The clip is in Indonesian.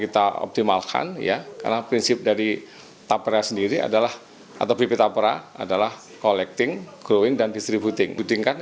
kita optimalkan karena prinsip dari bp taperah adalah collecting growing dan distributing